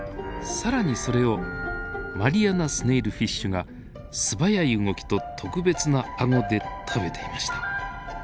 更にそれをマリアナスネイルフィッシュが素早い動きと特別な顎で食べていました。